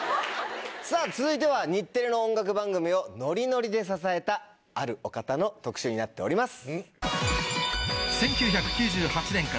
さぁ続いては日テレの音楽番組をノリノリで支えたあるお方の特集になっております。